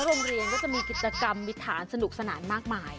โรงเรียนก็จะมีกิจกรรมมีฐานสนุกสนานมากมาย